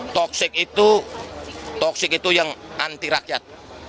toksik itu toksik itu yang anti rakyat